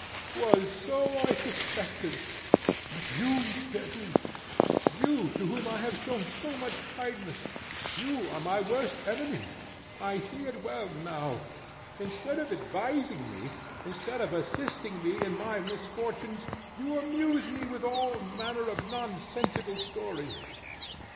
'twas so I suspected! But you, Pepusch, you, to whom I have shown so much kindness, you are my worst enemy: I see it well now. Instead of advising me, instead of assisting me in my misfortunes, you amuse me with all manner of nonsensical stories."